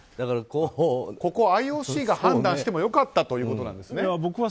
ここはＩＯＣが判断しても良かったということですね。